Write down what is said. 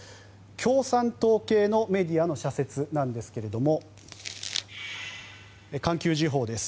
共産党系のメディアの社説ですが環球時報です。